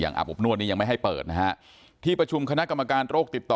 อาบอบนวดนี้ยังไม่ให้เปิดนะฮะที่ประชุมคณะกรรมการโรคติดต่อ